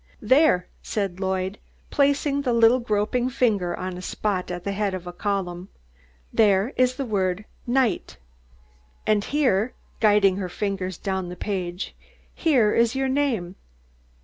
"There," said Lloyd, placing the little groping finger on a spot at the head of a column. "There is the word NIGHT, and heah," guiding her fingers down the page, "heah is yo' name.